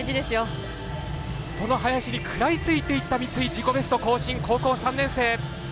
その林に食らいついていった三井自己ベスト更新。